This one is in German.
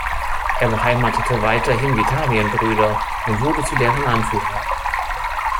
Er beheimatete weiterhin Vitalienbrüder und wurde zu deren Anführer.